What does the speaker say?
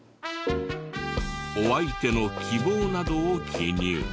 お相手の希望などを記入。